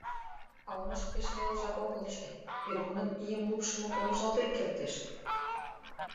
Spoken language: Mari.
А омышт пеш нелыжак огыл чай — вет нуным ийым лупшымо помыжалтен кертеш.